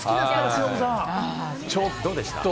どうでした？